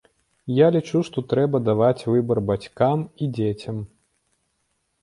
Я лічу, што трэба даваць выбар бацькам і дзецям.